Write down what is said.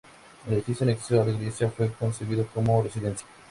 El edificio anexo a la iglesia fue concebido como residencia.